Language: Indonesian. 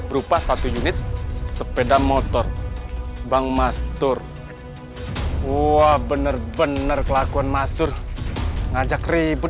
berupa satu unit sepeda motor bang mas tur wah bener bener kelakuan masur ngajak ribut